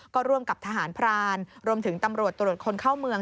ก็ร่วมกับทหารพรานรวมถึงตำรวจตรวจคนเข้าเมือง